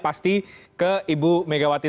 pasti ke ibu megawati